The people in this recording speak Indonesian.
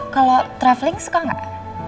kalau traveling suka gak